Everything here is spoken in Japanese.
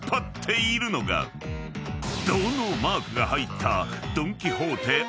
［「ド」のマークが入った］